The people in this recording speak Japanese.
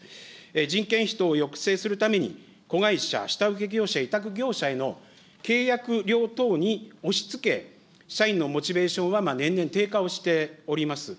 人件費等を抑制するために、子会社、下請け業者、委託業者への契約料等に押しつけ、社員のモチベーションは年々低下をしております。